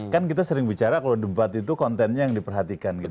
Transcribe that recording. kan kita sering bicara kalau debat itu kontennya yang diperhatikan gitu